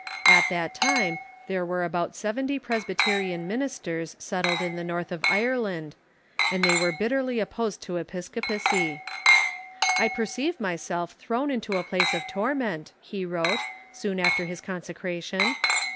At that time there were about seventy Presbyterian ministers settled in the North of Ireland, and they were bitterly opposed to episcopacy. "I perceive myself thrown into a ])lace of torment," he wrote, soon after his consecration.